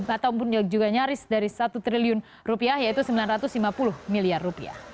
atau pun juga nyaris dari rp satu triliun yaitu rp sembilan ratus lima puluh miliar